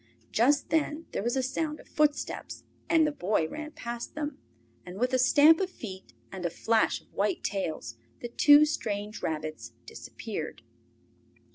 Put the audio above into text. Just then there was a sound of footsteps, and the Boy ran past near them, and with a stamp of feet and a flash of white tails the two strange rabbits disappeared.